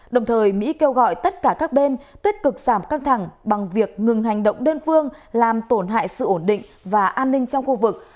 đồng thời mỹ kêu gọi tất cả các bên tích cực giảm căng thẳng bằng việc ngừng hành động đơn phương làm tổn hại sự ổn định và an ninh trong khu vực